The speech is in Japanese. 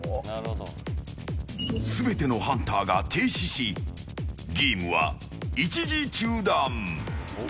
全てのハンターが停止しゲームは一時中断。